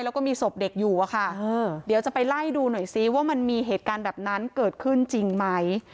แล้วก็มีศพเด็กอยู่อะค่ะเดี๋ยวจะไปไล่ดูหน่อยซิว่ามันมีเหตุการณ์แบบนั้นเกิดขึ้นจริงไหม